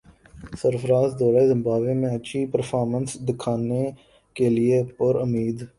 سرفرازدورہ Zimbabwe میں اچھی performance دکھانے کیلئے پر امید